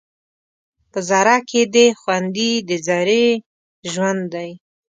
په ذره کې دې خوندي د ذرې ژوند دی